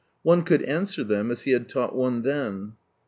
One could answer them as He had taught one then.